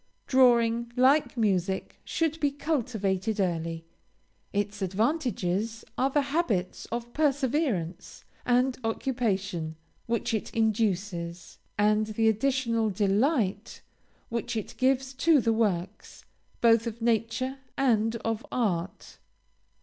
Drawing, like music, should be cultivated early. Its advantages are the habits of perseverance and occupation, which it induces; and the additional delight which it gives to the works, both of nature and of art.